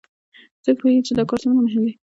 څوک پوهیږي چې دا کار څومره مهم ده